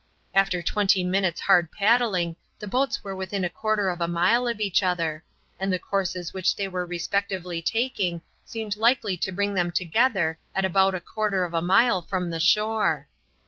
After twenty minutes' hard paddling the boats were within a quarter of a mile of each other, and the courses which they were respectively taking seemed likely to bring them together at about a quarter of a mile from the shore.